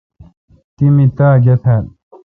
تی می تاء گہ تال ۔